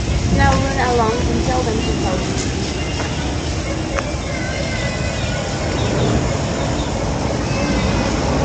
Now run along, and tell them to hurry.